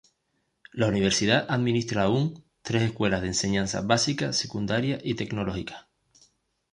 La universidad administra aún, tres escuelas de enseñanza básica, secundaria y tecnológica.